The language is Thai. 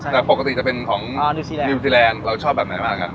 แต่ปกติจะเป็นของนิวซีแลนิวซีแลนด์เราชอบแบบไหนบ้างครับ